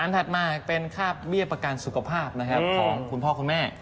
ถัดมาเป็นค่าเบี้ยประกันสุขภาพของคุณพ่อคุณแม่